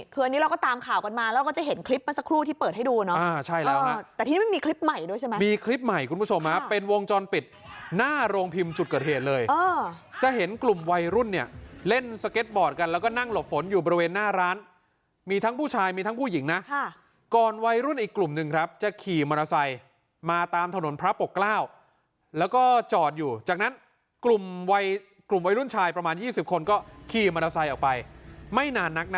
เกิดเหตุเลยเออจะเห็นกลุ่มวัยรุ่นเนี่ยเล่นสเก็ตบอร์ดกันแล้วก็นั่งหลบฝนอยู่บริเวณหน้าร้านมีทั้งผู้ชายมีทั้งผู้หญิงนะค่ะก่อนวัยรุ่นอีกกลุ่มหนึ่งครับจะขี่มอเตอร์ไซค์มาตามถนนพระปกกล้าวแล้วก็จอดอยู่จากนั้นกลุ่มวัยกลุ่มวัยรุ่นชายประมาณยี่สิบคนก็ขี่มอเตอร์ไซค์ออกไปไม่นานนักน